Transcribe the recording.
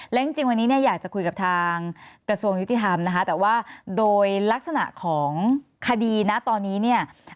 และจริงวันนี้เนี่ยอยากจะคุยกับทางกระทรวงยุติธรรมนะคะแต่ว่าโดยลักษณะของคดีนะตอนนี้เนี่ย